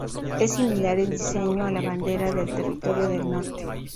Es similar en diseño a la bandera del Territorio del Norte.